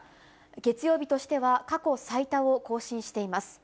月曜日としては過去最多を更新しています。